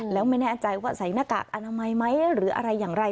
แล้วไม่แน่ใจว่าใส่หน้ากากอนามัยไหมหรืออะไรอย่างไร